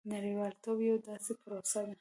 • نړیوالتوب یوه داسې پروسه ده.